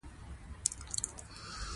ابن باز د سعودي عربستان ستر مفتي وو